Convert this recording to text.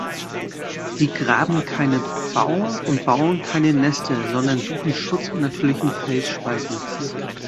Sie graben keine Baue und bauen keine Nester, sondern suchen Schutz in natürlichen Felsspalten.